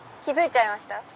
気付いちゃいました？